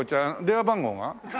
電話番号は？